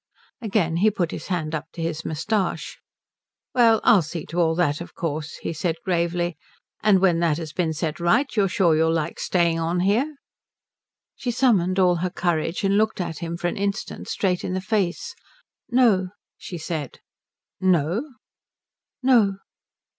Again he put his hand up to his moustache. "Well I'll see to all that, of course," he said gravely. "And when that has been set right you're sure you'll like staying on here?" She summoned all her courage, and looked at him for an instant straight in the face. "No," she said. "No?" "No."